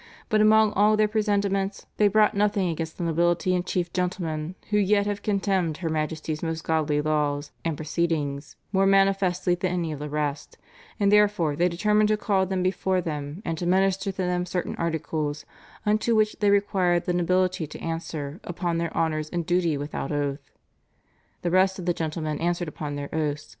But among all their presentments they brought nothing against the nobility and chief gentlemen, who yet have contemned her Majesty's most godly laws and proceedings more manifestly than any of the rest, and therefore they determined to call them before them, and to minister to them certain articles, unto which they required the nobility to answer upon their honours and duty without oath. The rest of the gentlemen answered upon their oaths.